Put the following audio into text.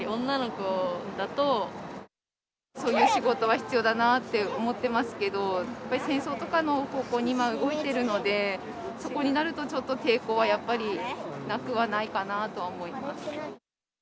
こういう仕事は必要だなって思ってますけど、やっぱり戦争とかの方向に今動いているので、そこになると、ちょっと抵抗はやっぱりなくはないかなとは思います。